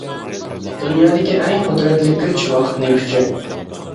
دۇنيادىكى ئەڭ قۇدرەتلىك كۈچ — ۋاقىتنىڭ كۈچى.